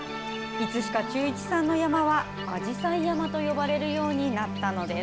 いつしか忠一さんの山は、あじさい山といわれるようになったのです。